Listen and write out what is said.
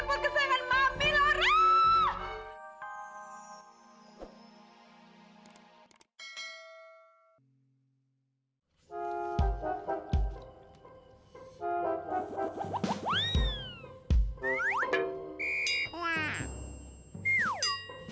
kok kalian semua bangun sih